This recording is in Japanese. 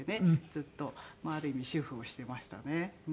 ずっとまあある意味主婦をしてましたね。